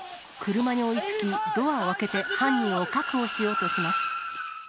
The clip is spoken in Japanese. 車に追いつき、ドアを開けて犯人を確保しようとします。